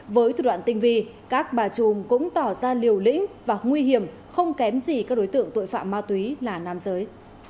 với thủ đoạn tinh vi các bà trùm cũng tỏ ra liều lĩnh và nguy hiểm không kém gì các đối tượng tội phạm ma túy là nam giới